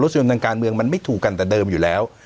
ชมทางการเมืองมันไม่ถูกกันแต่เดิมอยู่แล้ว